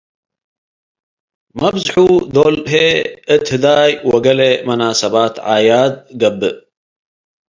መብዝሑ ዶል ህዬ እት ህዳይ ወገሌ መናሰባት ዓያድ ገብእ ።